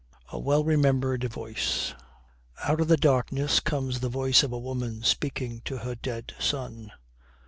A WELL REMEMBERED VOICE Out of the darkness comes the voice of a woman speaking to her dead son.